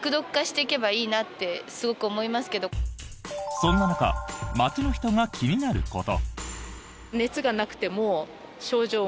そんな中街の人が気になること。